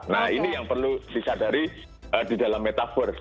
nah ini yang perlu disadari di dalam metaverse